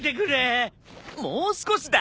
もう少しだ。